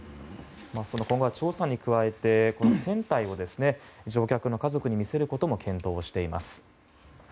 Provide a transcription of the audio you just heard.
今後は調査に加えて船体を乗客の家族に見せることも検討しています。